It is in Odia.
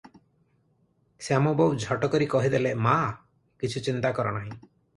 ଶ୍ୟାମବାବୁ ଝଟ କରି କହିଦେଲେ "ମା, କିଛି ଚିନ୍ତା କର ନାହିଁ ।